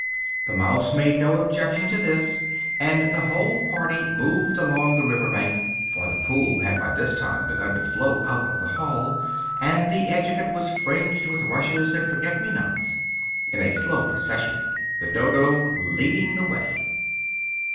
The mouse made no objection to this, and the whole party moved along the river bank, (for the pool had by this time began to flow out of the hall, and the edge of it was fringed with rushes and forget me nots,) in a slow procession, the Dodo leading the way.